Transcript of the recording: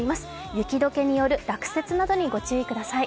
雪解けによる落雪などにご注意ください。